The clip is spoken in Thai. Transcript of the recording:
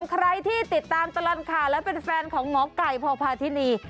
ใครที่ติดตามตลอดข่าวและเป็นแฟนของหมอไก่พอพาทินี